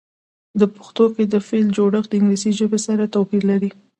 په پښتو کې د فعل جوړښت د انګلیسي ژبې سره توپیر لري.